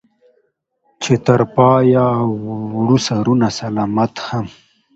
چې تر پايه وړو سرونه سلامت هم